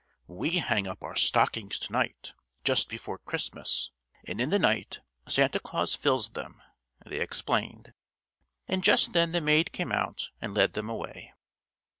"We hang up our stockings to night, just before Christmas, and in the night Santa Claus fills them," they explained, and just then the maid came out and led them away.